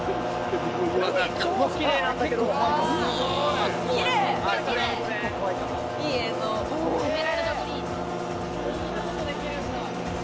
すごい！こんなことできるんだ。